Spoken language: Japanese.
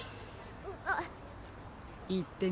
あっ。